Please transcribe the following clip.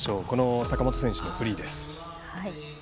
この坂本選手のフリーです。